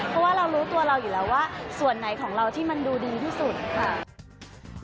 เพราะว่าเรารู้ตัวเราอยู่แล้วว่าส่วนไหนของเราที่มันดูดีที่สุดค่ะ